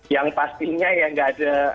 yang pastinya ya nggak ada